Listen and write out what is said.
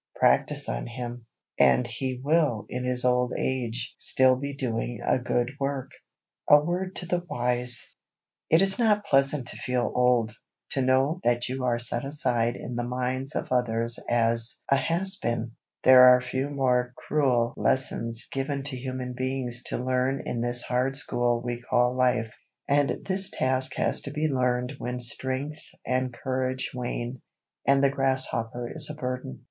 Practise on him, and he will in his old age still be doing a good work. [Sidenote: A WORD TO THE WISE] It is not pleasant to feel old, to know that you are set aside in the minds of others as "a has been." There are few more cruel lessons given to human beings to learn in this hard school we call life. And this task has to be learned when strength and courage wane, and the grasshopper is a burden.